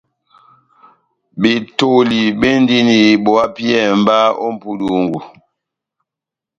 Betoli bendini bo hapiyɛhɛ mba ó mʼpudungu.